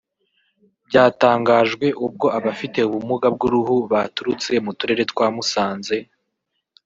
Byatangajwe ubwo abafite ubumuga bw’uruhu baturutse mu turere twa Musanze